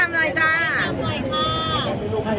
ไม่ต่ำเลย